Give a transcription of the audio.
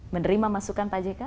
menerima masukan pak jk